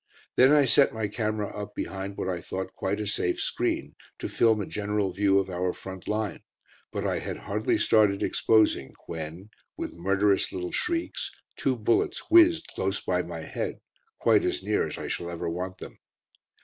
Then I set my camera up behind what I thought quite a safe screen, to film a general view of our front line, but I had hardly started exposing when, with murderous little shrieks, two bullets whizzed close by my head quite as near as I shall ever want them.